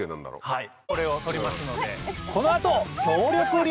はい。